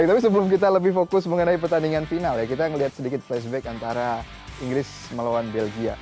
tapi sebelum kita lebih fokus mengenai pertandingan final ya kita melihat sedikit flashback antara inggris melawan belgia